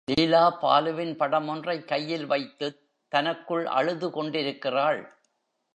லீலா, பாலுவின் படம் ஒன்றைக் கையில் வைத்துத் தனக்குள் அழுதுகொண்டிருக்கிறாள்.